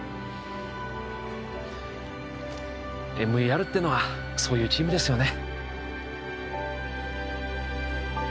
ＭＥＲってのはそういうチームですよね